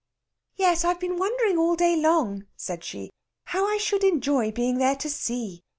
"Yes, I've been wondering all day long," said she. "How I should enjoy being there to see!